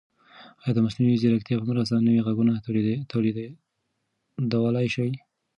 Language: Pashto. ایا د مصنوعي ځیرکتیا په مرسته نوي غږونه تولیدولای شئ؟